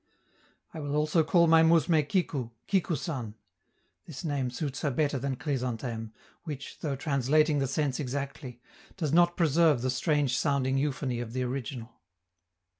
I will also call my mousme Kikou, Kikou San; this name suits her better than Chrysantheme, which, though translating the sense exactly, does not preserve the strange sounding euphony of the original.